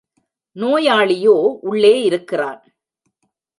நோயாளியோ உள்ளே இருக்கிறான்.